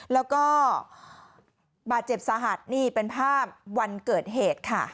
แล้วก็บาดเจ็บสาหัสนี่เป็นภาพวันเกิดเหตุค่ะ